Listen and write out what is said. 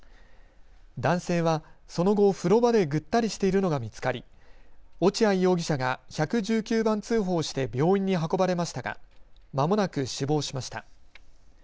男性はその後、風呂場でぐったりしているのが見つかり落合容疑者が１１９番通報して病院に運ばれましたがまもなく死亡しました。